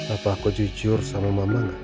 apa aku jujur sama mama gak